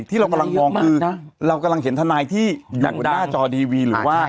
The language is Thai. ที่เรากำลังมองคือทนายเยอะมากนะเรากำลังเห็นทนายที่อยู่อยู่หน้าจอดีวีหรือว่า